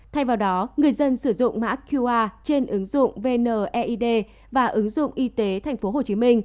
thay vào đó người dân sử dụng mã qr trên ứng dụng vneid và ứng dụng y tế tp hcm